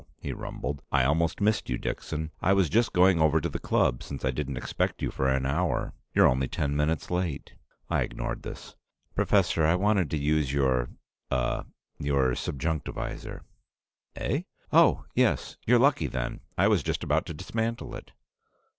he rumbled. "I almost missed you, Dixon. I was just going over to the club, since I didn't expect you for an hour. You're only ten minutes late." I ignored this. "Professor, I want to use your uh your subjunctivisor." "Eh? Oh, yes. You're lucky, then. I was just about to dismantle it."